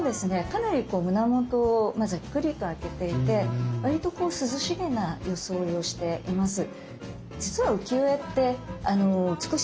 かなり胸元をざっくりと開けていてわりと涼しげな装いをしています。